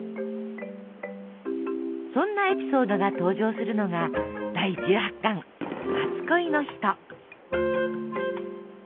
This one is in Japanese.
そんなエピソードが登場するのが第１８巻「初恋の人」。